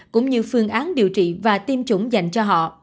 cũng như phương án điều trị và tiêm chủng dành cho họ